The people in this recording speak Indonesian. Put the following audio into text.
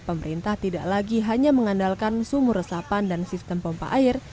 pemerintah tidak lagi hanya mengandalkan sumur resapan dan sistem pompa air